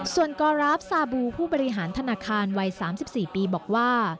ส่วนกอราฟซาบูผู้บริหารธนาคารวัย๓๔ปีบอกว่า